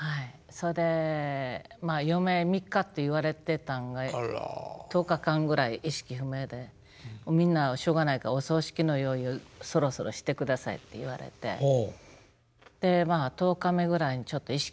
それで余命３日と言われてたんが１０日間ぐらい意識不明でみんなしょうがないからお葬式の用意をそろそろしてくださいって言われてで１０日目ぐらいにちょっと意識回復して。